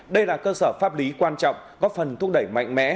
đây là cơ sở pháp lý quan trọng góp phần thúc đẩy mạnh mẽ